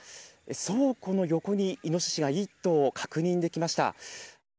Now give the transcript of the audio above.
倉庫の横にイノシシが１頭、確認できました。